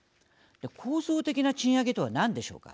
構造的な賃上げとはなんでしょうか。